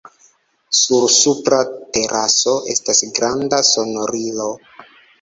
Sur supra teraso estas granda sonorilo.